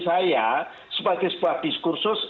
saya sebagai sebuah diskursus